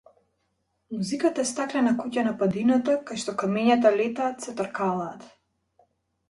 Музиката е стаклена куќа на падината кај што камењата летаат, се тркалаат.